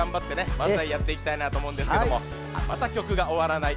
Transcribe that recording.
まんざいやっていきたいなとおもうんですけどもまたきょくがおわらない。